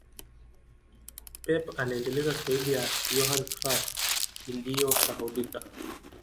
pep anaendeleza staili ya Johan Crufy iliyosahaulika